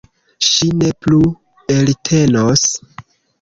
Ŝi ne plu eltenos.